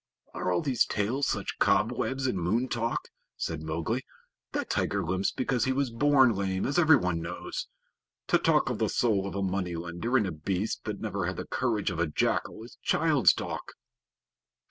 "Are all these tales such cobwebs and moon talk?" said Mowgli. "That tiger limps because he was born lame, as everyone knows. To talk of the soul of a money lender in a beast that never had the courage of a jackal is child's talk."